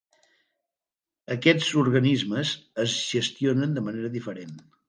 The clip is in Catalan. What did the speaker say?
Aquests organismes es gestionen de manera diferent.